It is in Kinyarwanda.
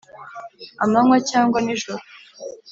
amanywa cyangwa nijoro,